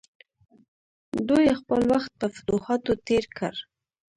دوی خپل وخت په فتوحاتو تیر کړ.